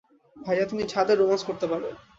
ভাইয়া তুমি ছাদে, রোমান্স করতে পারো।